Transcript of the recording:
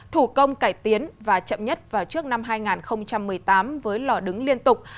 thủ công cải tiến và chậm nhất vào trước năm hai nghìn một mươi tám với lò đứng liên tục